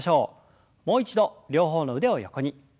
もう一度両方の腕を横に。